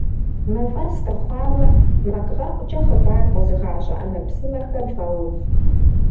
Мафӏэс къэхъуамэ, макъгъэӏукӏэ хъыбар къозыгъащӏэ ӏэмэпсымэхэр вгъэув! .